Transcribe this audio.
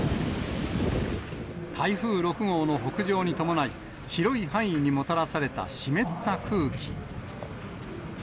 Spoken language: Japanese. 台風６号の北上に伴い、広い範囲にもたらされた湿った空気。